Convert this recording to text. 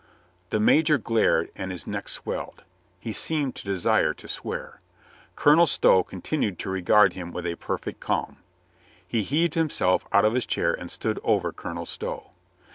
The major glared and his neck swelled. He seemed to desire to swear. Colonel Stow continued to regard him with a perfect calm. He heaved himself out of his chair and stood over Colonel Stow.